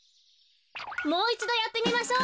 もういちどやってみましょう。